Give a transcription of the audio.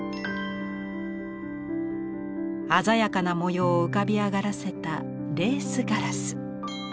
鮮やかな模様を浮かび上がらせたレース・ガラス。